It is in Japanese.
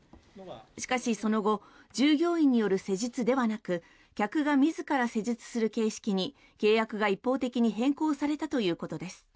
しかし、その後従業員による施術ではなく客が自ら施術する形式に契約が一方的に変更されたということです。